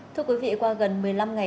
thưa quý vị qua gần một mươi năm ngày